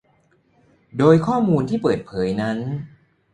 โดยข้อมูลที่เปิดเผยนั้น